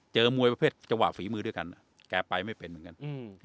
มวยประเภทจังหวะฝีมือด้วยกันแกไปไม่เป็นเหมือนกัน